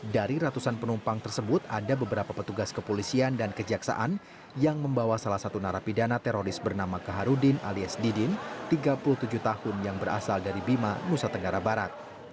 dari ratusan penumpang tersebut ada beberapa petugas kepolisian dan kejaksaan yang membawa salah satu narapidana teroris bernama kaharudin alias didin tiga puluh tujuh tahun yang berasal dari bima nusa tenggara barat